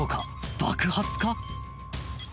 爆発か？